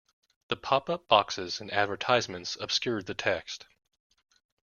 The pop-up boxes and advertisements obscured the text